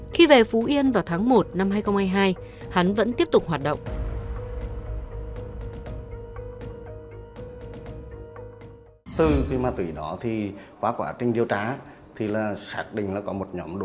khi về phú yên vào tháng một năm hai nghìn hai mươi hai